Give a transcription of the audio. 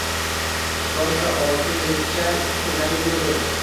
Rosa olti yilcha qiynalib yurdi